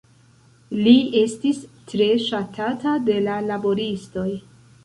Li estis tre ŝatata de la laboristoj.